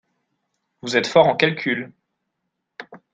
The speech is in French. Vous êtes fort en calcul